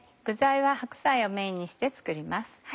具材は白菜をメインにして作ります。